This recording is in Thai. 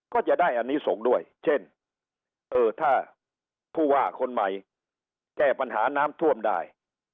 ก็จะได้อันนี้ส่งด้วยเช่นเออถ้าผู้ว่าคนใหม่แก้ปัญหาน้ำท่วมได้